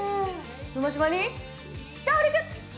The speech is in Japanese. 馬島に上陸！